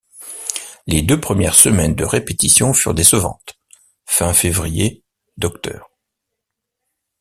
Les deux premières semaines de répétitions furent décevantes, fin février Dr.